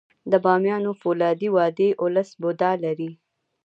د بامیانو فولادي وادي اوولس بودا لري